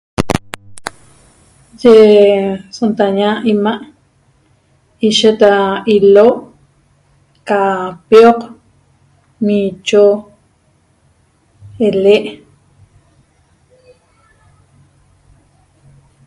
Ye sontaña ima' ishet ra ilo ca pioq, miicho, ele'